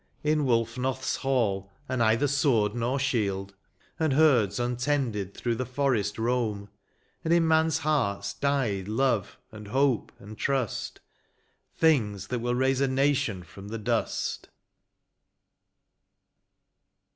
In Wol&oth's hall are neither sword nor shield ; And herds untended through the forest roam. And in men s hearts died love, and hope, and trust, Things that will raise a nation &om the dust.